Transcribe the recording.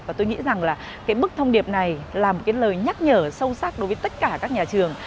và tôi nghĩ rằng là cái bức thông điệp này là một cái lời nhắc nhở sâu sắc đối với tất cả các nhà trường